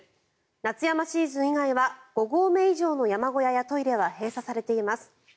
夏山シーズン以外は五合目以上の山小屋やトイレは閉鎖されています。